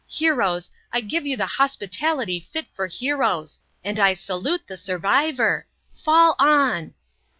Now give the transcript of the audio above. Heroes, I give you the hospitality fit for heroes. And I salute the survivor. Fall on!"